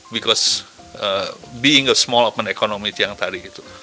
because being a small open economy yang tadi gitu